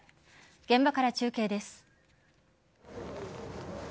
現場から中継です。